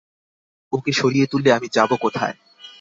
ওকে সরিয়ে তুললে আমি যাব কোথায়?